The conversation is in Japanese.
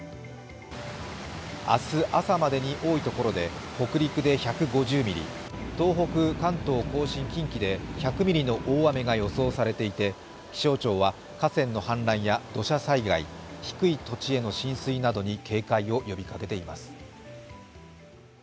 明日朝までに多いところで北陸で１５０ミリ、東北関東甲信・近畿で１００ミリの大雨が予想されていて気象庁は河川の氾濫や土砂災害、低い土地への浸水などに警戒を呼びかけています。